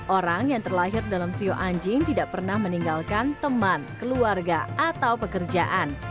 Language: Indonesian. orang yang terlahir dalam sio anjing tidak pernah meninggalkan teman keluarga atau pekerjaan